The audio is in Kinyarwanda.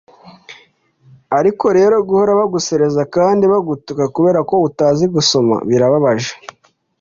ariko rero guhora baguserereza kandi bagutuka kubera ko utazi gusoma birababaje